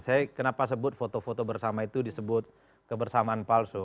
saya kenapa sebut foto foto bersama itu disebut kebersamaan palsu